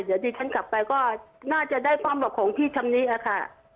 เดี๋ยวดิฉันกลับไปก็น่าจะได้ป้องแบบของพี่ชำนี้อะค่ะ